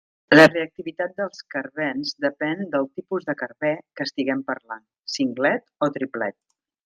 La reactivitat dels carbens depèn del tipus de carbè que estiguem parlant: singlet o triplet.